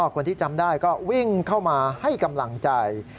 คนที่จำได้ก็วิ่งเข้ามาให้กำลังใจ